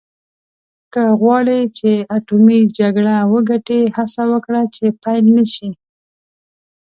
که غواړې چې اټومي جګړه وګټې هڅه وکړه چې پیل نه شي.